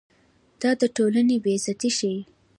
دا د ټولنې بې عزتي ښيي.